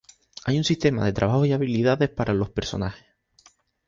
Hay un sistema de trabajos y habilidades para los personajes.